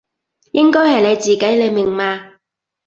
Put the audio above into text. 應該係你自己，你明嘛？